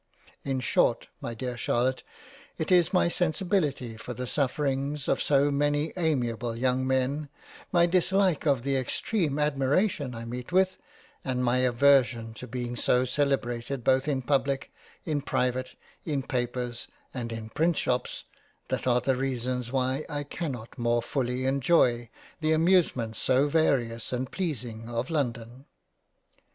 In short my Dear Charlotte it is my sensibility for the sufferings of so many amiable young Men, my Dislike of the extreme admiration I meet with, and my aversion to being so celebrated both in Public, in Private, in Papers, and in Printshops, that are the reasons why I cannot more fully enjoy, the Amusements so various and pleasing of London.